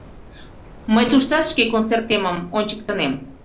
— Мый туштат шке концертемым ончыктынем.